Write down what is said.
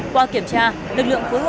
qua kiểm tra